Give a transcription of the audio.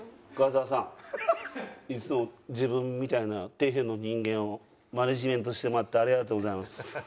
樺澤さんいつも自分みたいな底辺の人間をマネジメントしてもらってありがとうございます。